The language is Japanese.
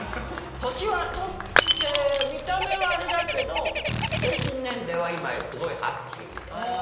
年は取って見た目はあれだけど精神年齢は今すごいハッピーです。